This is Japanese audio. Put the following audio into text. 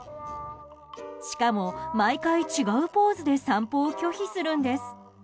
しかも、毎回違うポーズで散歩を拒否するんです。